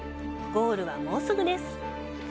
ゴールはもうすぐです！